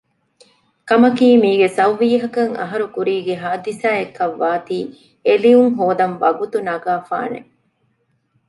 ކަމަކީ މީގެ ސައުވީހަކަށް އަހަރުކުރީގެ ހާދިސާއަކަށް ވާތީ އެލިޔުން ހޯދަން ވަގުތު ނަގާފާނެ